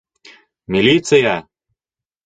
Милиция!